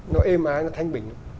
nó êm ái nó thanh bình